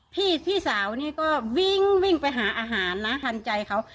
พี่สาวนี่ก็วิ่งวิ่งไปหาอาหารนะทันใจเขา